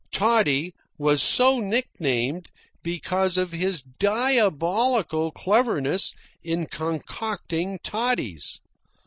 Toddy was so nicknamed because of his diabolical cleverness in concocting toddies.